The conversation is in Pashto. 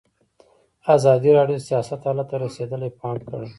ازادي راډیو د سیاست حالت ته رسېدلي پام کړی.